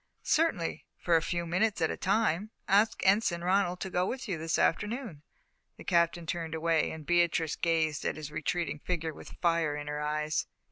"Certainly, for a few minutes at a time. Ask Ensign Ronald to go with you this afternoon." The Captain turned away, and Beatrice gazed at his retreating figure with fire in her eyes.